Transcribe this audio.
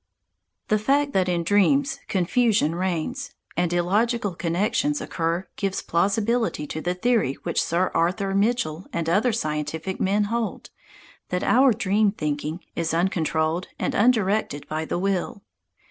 The fact that in dreams confusion reigns, and illogical connections occur gives plausibility to the theory which Sir Arthur Mitchell and other scientific men hold, that our dream thinking is uncontrolled and undirected by the will.